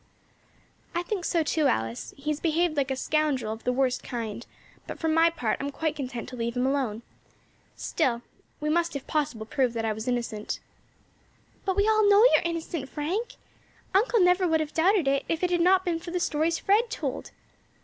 "I think so too, Alice; he has behaved like a scoundrel of the worst kind, but, for my part, I am quite content to leave him alone. Still, we must if possible prove that I was innocent." "But we all know you are innocent, Frank. Uncle never would have doubted it if it had not been for the stories Fred told."